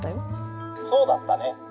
「そうだったね」。